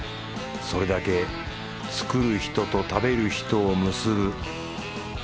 それだけ作る人と食べる人を結ぶ。